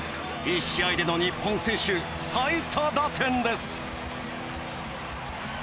１試合での日本選手最多打点です！